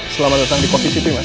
selamat datang di covisit